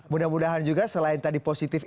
mudah mudahan juga selain tadi positif